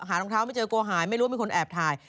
รองเท้าไม่เจอกลัวหายไม่รู้ว่ามีคนแอบถ่าย